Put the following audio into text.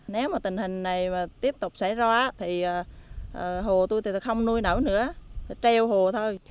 nếu mà tình hình này mà tiếp tục xảy ra thì hồ tôi thì không nuôi nào nữa treo hồ thôi